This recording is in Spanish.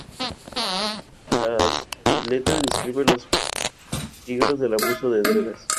Ésta sin embargo, cae enamorada de Don Pedro, el apuesto primo de Don Lucas.